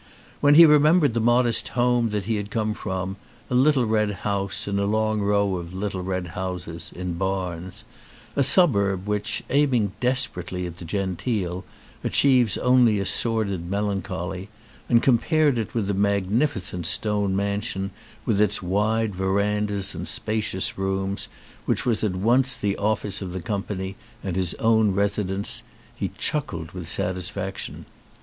When he remembered the modest home he had come from, a little red house in a long row of little red houses, in Barnes, a suburb which, aiming desperately at the genteel, achieves only a sordid melancholy, and compared it with the mag nificent ptone mansion, with its wide verandahs and spacious rooms, which was at once the office of the company and his own residence, he chuckled with satisfaction.